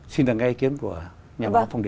xin đăng nghe ý kiến của nhà báo phong điện